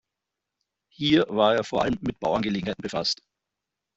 Hier war er vor allem mit Bauangelegenheiten befasst.